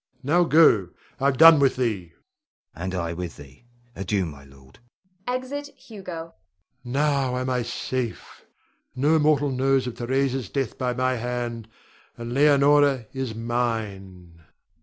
Now go; I've done with thee. Hugo. And I with thee. Adieu, my lord. [Exit Hugo. Rod. Now am I safe, no mortal knows of Theresa's death by my hand, and Leonore is mine.